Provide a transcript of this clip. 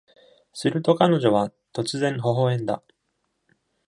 すると彼女は突然微笑んだ。